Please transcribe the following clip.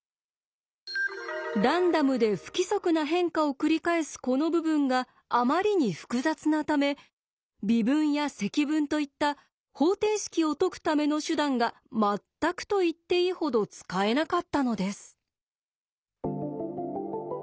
ランダムで不規則な変化を繰り返すこの部分があまりに複雑なため微分や積分といった方程式を解くための手段が全くと言っていいほど使えなかったのです。